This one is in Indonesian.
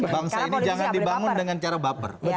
bangsa ini jangan dibangun dengan cara baper